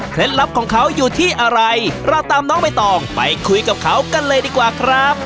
ลับของเขาอยู่ที่อะไรเราตามน้องใบตองไปคุยกับเขากันเลยดีกว่าครับ